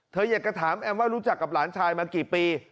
อยากจะถามแอมว่ารู้จักกับหลานชายมากี่ปี